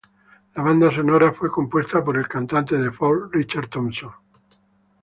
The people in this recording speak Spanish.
La banda sonora fue compuesta por el cantante de "folk" Richard Thompson.